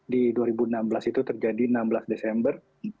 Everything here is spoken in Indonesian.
di dua ribu enam belas itu terjadi enam belas desember